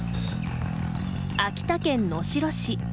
秋田県能代市。